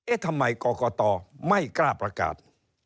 ทำไมกรกตไม่กล้าประกาศ